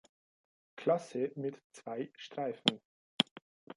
Klasse mit zwei Streifen.